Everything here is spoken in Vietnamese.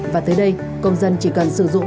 và tới đây công dân chỉ cần sử dụng